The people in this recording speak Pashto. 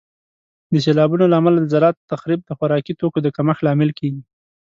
د سیلابونو له امله د زراعت تخریب د خوراکي توکو د کمښت لامل کیږي.